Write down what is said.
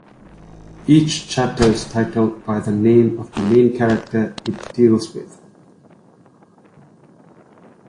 Each chapter is titled by the name of the main character it deals with.